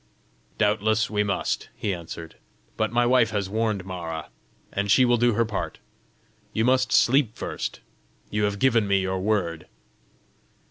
"Doubtless we must," he answered. "But my wife has warned Mara, and she will do her part; you must sleep first: you have given me your word!"